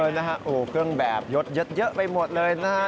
นะฮะโอ้เครื่องแบบยดเยอะไปหมดเลยนะฮะ